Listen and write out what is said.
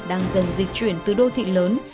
đang dần dịch chuyển từ đô thị lớn